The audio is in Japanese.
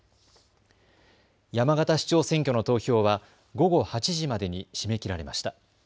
山形市長選挙の投票は午後８時までに締め切られました。